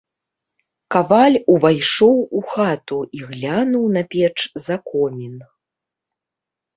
Каваль увайшоў у хату і глянуў на печ за комін.